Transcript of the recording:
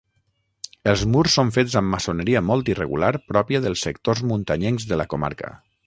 Els murs són fets amb maçoneria molt irregular pròpia dels sectors muntanyencs de la comarca.